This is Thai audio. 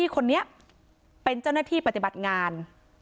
คนนี้เป็นเจ้าหน้าที่ปฏิบัติงาน